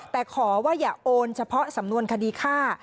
แต่ขอว่าอย่าโอนเฉพาะสำนวนคดีฆ่า